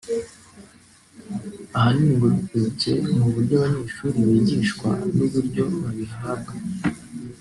ahanini ngo biturutse mu byo abanyeshuri bigishwa n’uburyo babihabwa